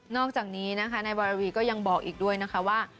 อกจากนี้นะคะนายวรวีก็ยังบอกอีกด้วยนะคะว่า